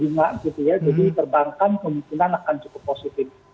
jadi perbankan kemungkinan akan cukup positif